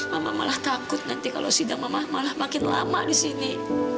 mama malah takut nanti kalau sidang mamah malah makin lama di sini